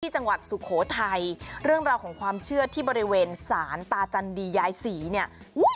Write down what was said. ที่จังหวัดสุโขทัยเรื่องราวของความเชื่อที่บริเวณสารตาจันทร์ดียายศรีเนี่ย